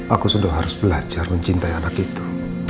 aku sudah harus belajar mencintai anak itu